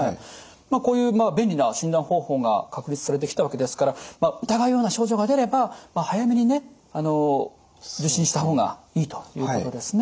こういう便利な診断方法が確立されてきたわけですから疑うような症状が出れば早めにね受診した方がいいということですね。